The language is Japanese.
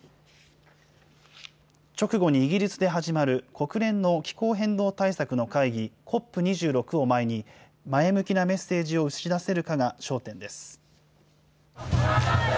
直後にイギリスで始まる国連の気候変動対策の会議、ＣＯＰ２６を前に、前向きなメッセージを打ち出せるかが焦点です。